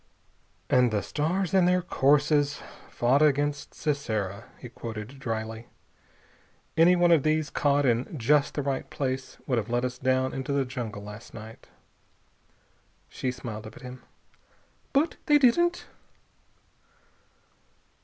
"And the stars in their courses fought against Sisera," he quoted dryly. "Any one of these, caught in just the right place, would have let us down into the jungle last night." She smiled up at him. "But they didn't."